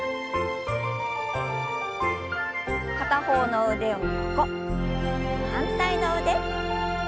片方の腕を横反対の腕。